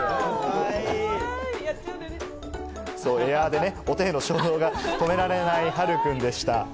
エアでね、お手への衝動が止められない、はるくんでした。